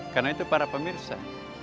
karena itu para pemirsa